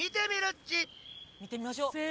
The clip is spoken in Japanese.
みてみましょう。